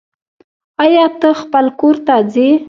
آيا ته خپل کور ته ځي